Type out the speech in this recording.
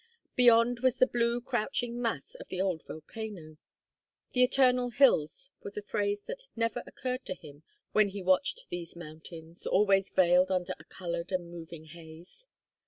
Beyond was the blue crouching mass of the old volcano. "The eternal hills" was a phrase that never occurred to him when he watched these mountains, always veiled under a colored and moving haze.